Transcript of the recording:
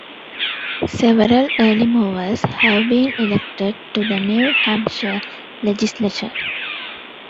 Several early movers have been elected to the New Hampshire legislature.